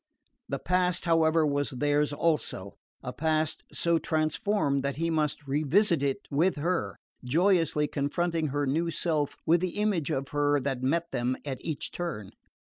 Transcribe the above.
The past, however, was theirs also: a past so transformed that he must revisit it with her, joyously confronting her new self with the image of her that met them at each turn.